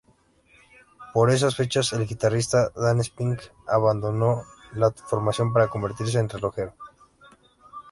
Por esas fechas, el guitarrista Dan Spitz abandonó la formación para convertirse en relojero.